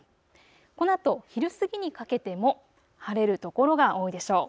このあと昼過ぎにかけても晴れる所が多いでしょう。